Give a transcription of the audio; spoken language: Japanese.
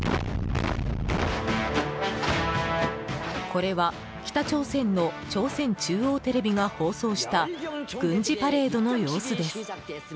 これは北朝鮮の朝鮮中央テレビが放送した軍事パレードの様子です。